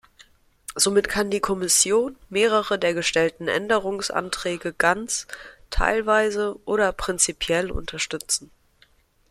Somit kann die Kommission mehrere der gestellten Änderungsanträge ganz, teilweise oder prinzipiell unterstützen.